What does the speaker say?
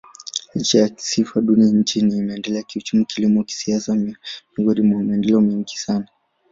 Licha ya sifa duni nchini, imeendelea kiuchumi, kilimo, kisiasa miongoni mwa maendeleo mengi sana.